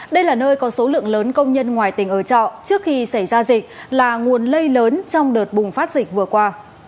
đây là nơi có số lượng lớn công nhân ngoài tỉnh ở trọ trước khi xảy ra dịch là nguồn lây lớn trong đợt bùng phát dịch vừa qua